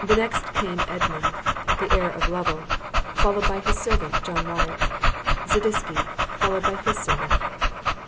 The next came Edmund, the heir of Lovel, followed by his servant John Wyatt; Zadisky, followed by his servant.